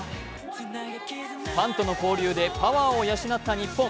ファンとの交流で、パワーを養った日本。